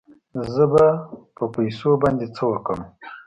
زه به په پيسو باندې څه وکم.